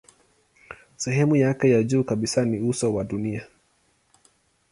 Sehemu yake ya juu kabisa ni uso wa dunia.